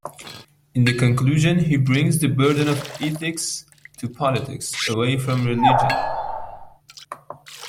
In the conclusion, he brings the burden of ethics to politics, away from religion.